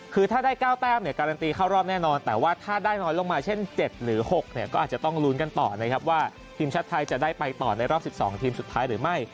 คือถ้าได้๙แต้มเนี่ยการันตีเข้ารอบแน่นอนแต่ว่าถ้าได้น้อยลงมาเช่น๗หรือ๖เนี่ยก็อาจจะต้องลุ้นกันต่อนะครับว่าทีมชาติไทยจะได้ไปต่อในรอบ๑๒ทีมสุดท้ายหรือไม่